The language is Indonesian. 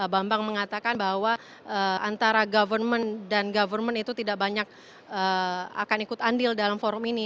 bambang mengatakan bahwa antara government dan government itu tidak banyak akan ikut andil dalam forum ini